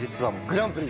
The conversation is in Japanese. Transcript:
グランプリ？